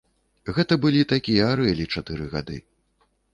Гэта былі такія арэлі чатыры гады.